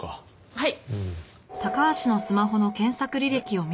はい。